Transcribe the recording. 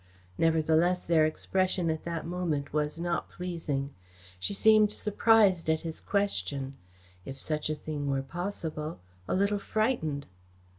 Nevertheless their expression at that moment was not pleasing. She seemed surprised at his question if such a thing were possible, a little frightened.